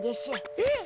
えっ？